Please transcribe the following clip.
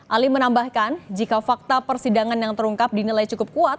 ali menambahkan jika fakta persidangan yang terungkap dinilai cukup kuat